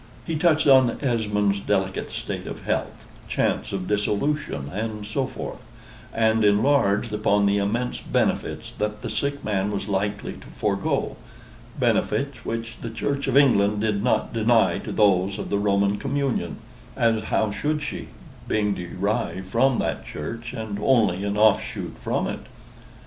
He touched on Esmond's delicate state of health, chance of dissolution, and so forth; and enlarged upon the immense benefits that the sick man was likely to forego benefits which the church of England did not deny to those of the Roman communion, as how should she, being derived from that church, and only an offshoot from it?